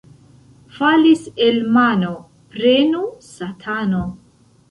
Falis el mano — prenu satano.